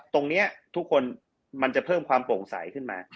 ตรงนี้ทุกคนมันจะเพิ่มความโปร่งใสขึ้นมา